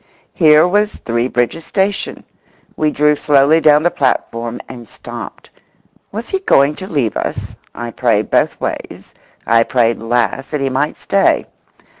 Here was Three Bridges station. We drew slowly down the platform and stopped. Was he going to leave us? I prayed both ways—I prayed last that he might stay.